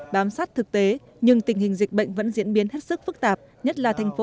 bám sát thực tế nhưng tình hình dịch bệnh vẫn diễn biến hết sức phức tạp nhất là thành phố